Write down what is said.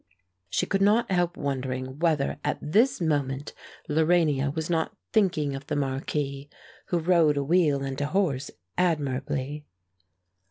She could not help wondering whether at this moment Lorania was not thinking of the marquis, who rode a wheel and a horse admirably.